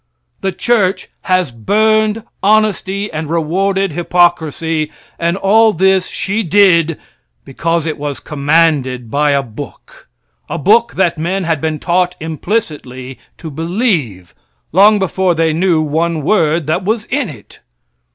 The church has burned honesty and rewarded hypocrisy, and all this she did because it was commanded by a book a book that men had been taught implicitly to believe, long before they knew one word that was in it.